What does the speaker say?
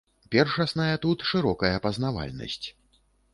Першасная тут шырокая пазнавальнасць.